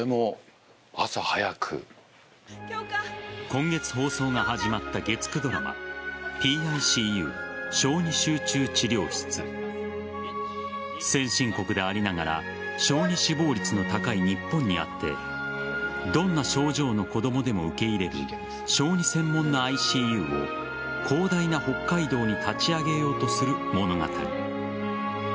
今月放送が始まった月９ドラマ「ＰＩＣＵ小児集中治療室」先進国でありながら小児死亡率の高い日本にあってどんな症状の子供でも受け入れる小児専門のＩＣＵを広大な北海道に立ち上げようとする物語。